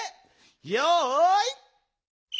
よい。